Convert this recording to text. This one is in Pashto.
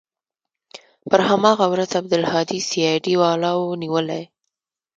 پر هماغه ورځ عبدالهادي سي آى ډي والاو نيولى.